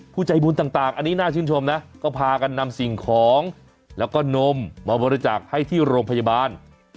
ใจบุญต่างอันนี้น่าชื่นชมนะก็พากันนำสิ่งของแล้วก็นมมาบริจาคให้ที่โรงพยาบาล